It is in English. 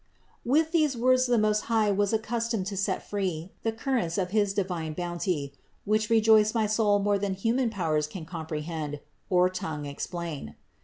With these words the Most High was accustomed to set free the currents of his divine bounty, which rejoiced my soul more than human powers can comprehend, or tongue explain.